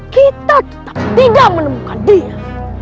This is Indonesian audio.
kita tetap tidak menemukan dia